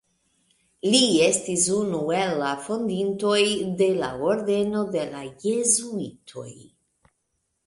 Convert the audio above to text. Li estis unu el la fondintoj de la ordeno de la jezuitoj.